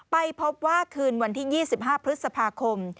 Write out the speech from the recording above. ไปพบว่าคืนวันที่๒๕พฤษภาคม